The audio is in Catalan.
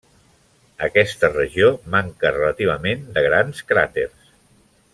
Aquesta regió manca relativament de grans cràters.